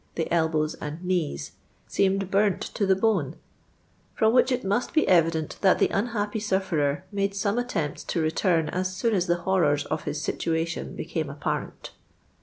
the elbows and knees, seemed burnt to the bone; from which it must be evident that the unhappy sufferer made some attempts to return as soon as the horrors of his situation became ap parent."